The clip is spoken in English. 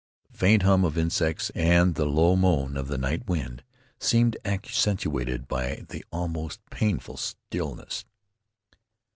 The faint hum of insects, and the low moan of the night wind, seemed accentuated by the almost painful stillness.